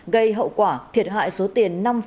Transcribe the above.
gây hậu quả thiệt hại số tiền năm ba tỷ đồng cho nhà nước